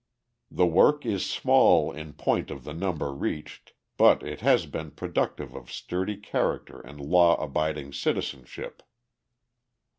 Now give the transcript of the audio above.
The work is small in point of the number reached, but it has been productive of sturdy character and law abiding citizenship."